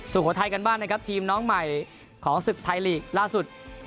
สุโขทัยกันบ้างนะครับทีมน้องใหม่ของศึกไทยลีกล่าสุด